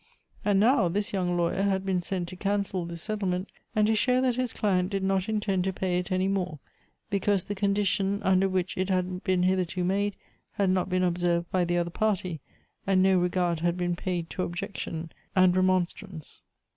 And now this young lawyer had been sent to cancel this settlement, and to show that his client did not intend to pay it any more, because the condition under which it had been hitherto made had not been observed by the other party, and no regard had been paid to objection and remonstrance.